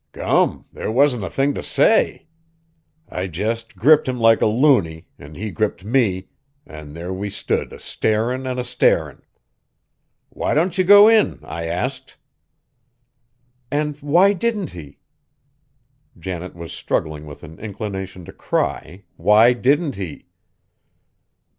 Gum! there wasn't a thing t' say. I just gripped him like a looney, an' he gripped me, an' thar we stood a starin' an' a staring'! 'Why don't ye go in?' I asked." "And why didn't he?" Janet was struggling with an inclination to cry, "why didn't he?"